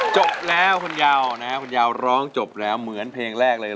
จบแล้วคุณยาวนะฮะคุณยาวร้องจบแล้วเหมือนเพลงแรกเลย